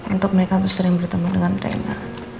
untuk mereka terus sering bertemu dengan rena